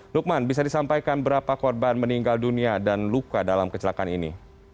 lukman bisa disampaikan berapa korban meninggal dunia dan luka dalam kecelakaan ini